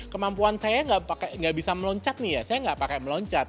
kemampuan saya tidak bisa meloncat saya tidak pakai meloncat